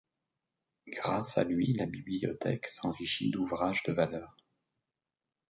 Grâce à lui la bibliothèque s'enrichit d'ouvrages de valeur.